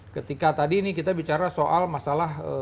ketika tadi ini kita bicara soal masalah